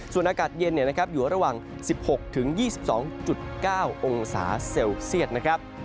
ส่วนอากาศเย็นอยู่ระหว่าง๑๖๒๒๙องศาเซลเซียตนะครับ